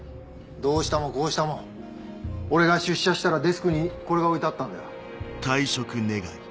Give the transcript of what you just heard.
どうしたもこうしたも俺が出社したらデスクにこれが置いてあったんだよ。